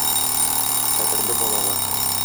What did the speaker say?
Кадерле балалар!